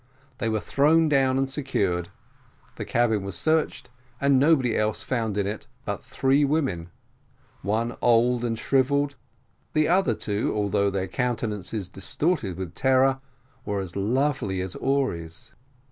They were thrown down and secured; the cabin was searched, and nobody else found in it but three women; one old and shrivelled, the other two, although with their countenances distorted with terror, were lovely as Houris.